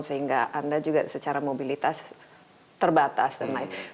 sehingga anda juga secara mobilitas terbatas dan lain